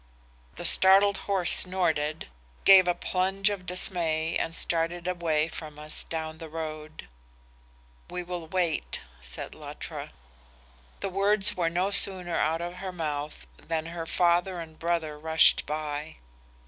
"The startled horse snorted, gave a plunge of dismay and started away from us down the road. "'We will wait,' said Luttra. "The words were no sooner out of her mouth than her father and brother rushed by.